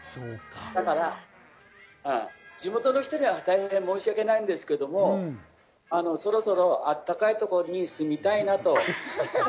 だから地元の人には大変申しわけないんですけども、そろそろあったかいところに住みたいなと。